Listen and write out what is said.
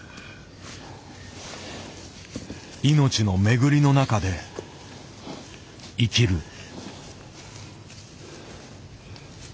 命の巡りのなかで生きる。